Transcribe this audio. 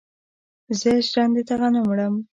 زه ژرندې ته غنم وړم.